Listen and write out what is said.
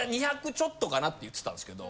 ちょっとかなって言ってたんですけど。